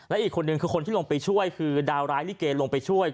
และอีกคนนึงคือคนที่ลงไปช่วยคือดาวร้ายลิเกลงไปช่วย